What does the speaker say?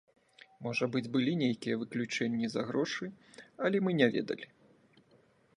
Можа быць, былі нейкія выключэнні за грошы, але мы не ведалі.